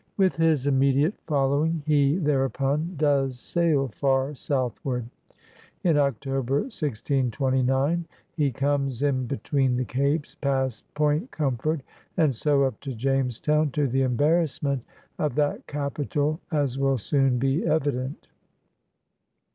'* With his immediate following he thereupon does sail far southward. In October, 1629, he comes in between the capes, past Point Comfort and so up to Jamestown — to the embarrassment of that capital, as will soon be evident.